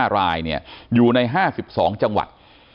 ๕รายอยู่ใน๕๒จังหวัด